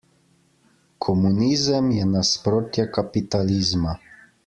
Komunizem je nasprotje kapitalizma.